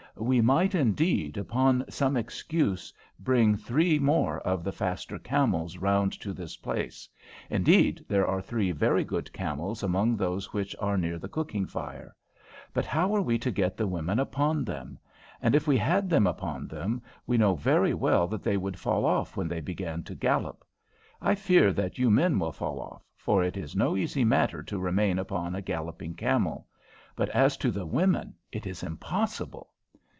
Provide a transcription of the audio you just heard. "We might, indeed, upon some excuse, bring three more of the faster camels round to this place. Indeed, there are three very good camels among those which are near the cooking fire. But how are we to get the women upon them? and if we had them upon them, we know very well that they would fall off when they began to gallop. I fear that you men will fall off, for it is no easy matter to remain upon a galloping camel; but as to the women, it is impossible.